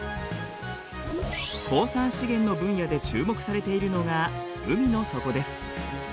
鉱産資源の分野で注目されているのが海の底です。